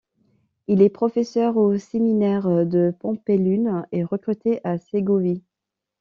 Il est professeur au séminaire de Pampelune et recteur à Ségovie.